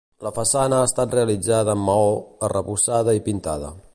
La façana ha estat realitzada amb maó, arrebossada i pintada.